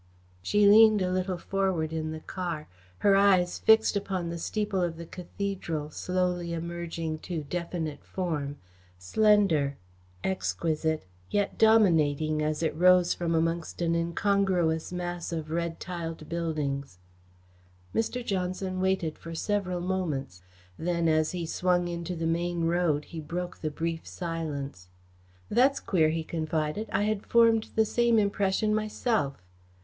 She leaned a little forward in the car, her eyes fixed upon the steeple of the Cathedral, slowly emerging to definite form, slender, exquisite, yet dominating, as it rose from amongst an incongruous mass of red tiled buildings. Mr. Johnson waited for several moments. Then, as he swung into the main road, he broke the brief silence. "That's queer," he confided. "I had formed the same impression myself.